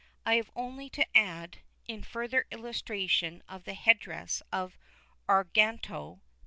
I have only to add, in further illustration of the head dress of Arganto (p.